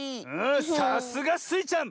さすがスイちゃん！